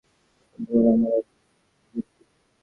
এখন তোমার আমার একই মৃত্যু।